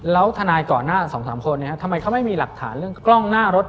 แล้วทนายก่อนหน้า๒๓คนทำไมเขาไม่มีหลักฐานเรื่องกล้องหน้ารถ